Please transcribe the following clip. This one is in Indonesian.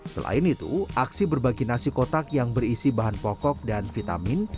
selain itu aksi berbagi nasi kotak yang berisi bahan pokok dan vitamin